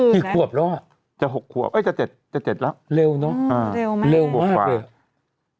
พี่ขวบหรอจะ๖ขวบจะ๗แล้วเร็วน้อยขวบขวาเร็วไหม